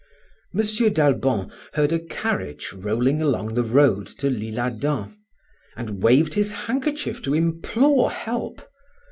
M. d'Albon heard a carriage rolling along the road to l'Isle Adam, and waved his handkerchief to implore help.